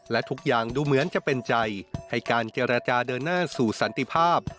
และทุกอย่างดูเหมือนจะเป็นใจให้การเจรจาเดินหน้าสู่สันติภาพ